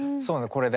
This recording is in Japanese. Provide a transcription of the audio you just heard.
これで。